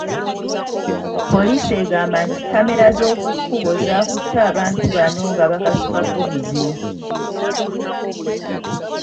Poliisi egamba nti kkamera z’okukkubo zaakutte abantu bano nga bakasuka bbomu zino.